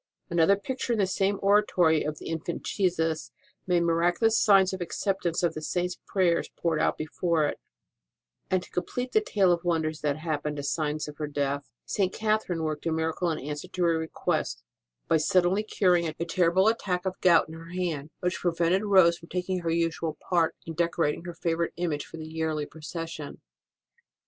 Another picture in the same oratory of the Infant Jesus made miraculous signs of accept ance of the Saint s prayers poured out before it ; and, to complete the tale of wonders that happened as signs of her death, St. Catherine worked a miracle in answer to her request, by suddenly curing a terrible attack of gout in her hand, which prevented Rose from taking her usual part in decorating her favourite image for the yearly procession.